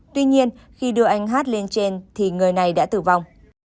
tuy nhiên khi đưa anh hát lên trên thì người này đã tử vong